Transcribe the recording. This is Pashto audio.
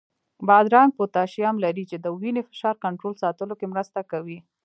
بادرنګ پوتاشیم لري، چې د وینې فشار کنټرول ساتلو کې مرسته کوي.